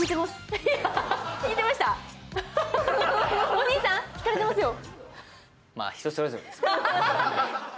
お兄さん、引かれてますよ。